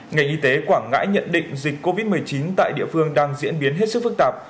ngành y tế quảng ngãi nhận định dịch covid một mươi chín tại địa phương đang diễn biến hết sức phức tạp